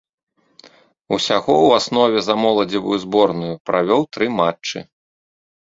Усяго ў аснове за моладзевую зборную правёў тры матчы.